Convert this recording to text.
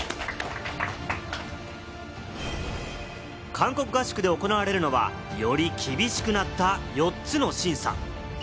韓国合宿で行われるのは、より厳しくなった４つの審査。